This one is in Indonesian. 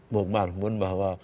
bok marmun bahwa